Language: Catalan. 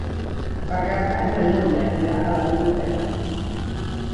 Per Cap d'Any na Núria irà a la biblioteca.